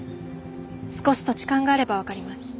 少し土地勘があればわかります。